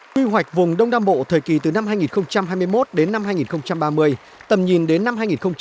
quy hoạch vùng đông nam bộ thời kỳ từ năm hai nghìn hai mươi một đến năm hai nghìn ba mươi tầm nhìn đến năm hai nghìn năm mươi